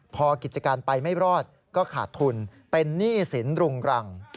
พอกิจการไปไม่รอดก็ขาดทุนเป็นหนี้สินรุงรัง